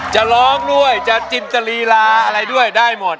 จะร้องด้วยจะจินตรีลาอะไรด้วยได้หมด